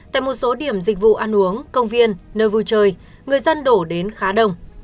tại một số điểm dịch vụ ăn uống công viên nơi vui chơi người dân đổ đến khá đông